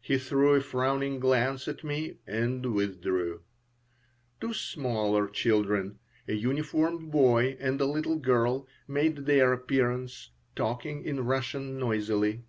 He threw a frowning glance at me, and withdrew. Two smaller children, a uniformed boy and a little girl, made their appearance, talking in Russian noisily.